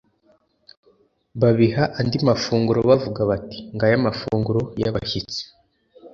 Babiha andi mafunguro bavuga bati: "Ngaya amafunguro y'abashyitsi